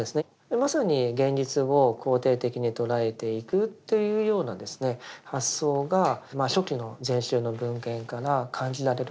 まさに現実を肯定的に捉えていくというような発想が初期の禅宗の文献から感じられるところがあります。